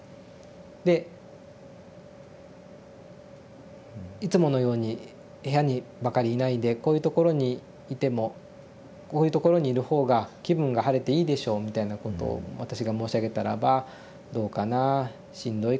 で「いつものように部屋にばかりいないでこういうところにいてもこういうところにいる方が気分が晴れていいでしょう」みたいなことを私が申し上げたらば「どうかなしんどいからね」ってこうおっしゃった。